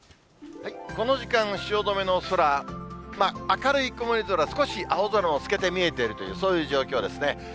この時間、汐留の空、明るい曇り空、少し青空も透けて見えているという、そういう状況ですね。